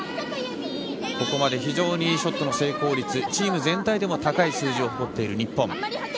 ここまでショットの成功率チーム全体でも高い数字を誇っている日本。